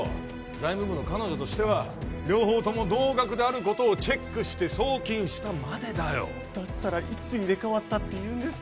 財務部の彼女としては両方とも同額であることをチェックして送金したまでだよだったらいつ入れ代わったっていうんですか？